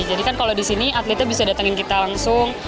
jadi kan kalau disini atletnya bisa datengin kita langsung